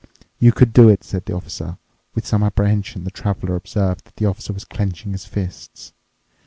"You could do it," said the Officer. With some apprehension the Traveler observed that the Officer was clenching his fists.